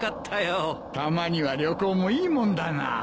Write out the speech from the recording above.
たまには旅行もいいもんだな。